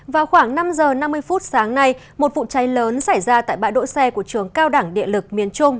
vào khoảng năm giờ năm mươi phút sáng nay một vụ cháy lớn xảy ra tại bãi đỗ xe của trường cao đẳng địa lực miền trung